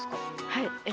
はい。